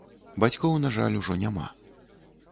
Бацькоў, на жаль, ужо няма.